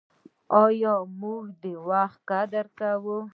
آیا موږ د وخت قدر کوو؟